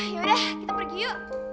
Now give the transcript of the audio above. yaudah kita pergi yuk